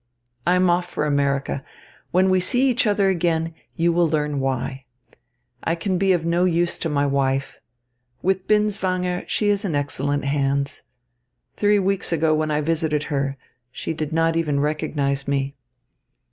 I am off for America. When we see each other again, you will learn why. I can be of no use to my wife. With Binswanger, she is in excellent hands. Three weeks ago, when I visited her, she did not even recognise me.